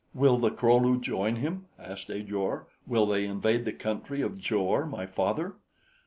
"Will the Kro lu join him?" asked Ajor. "Will they invade the country of Jor my father?"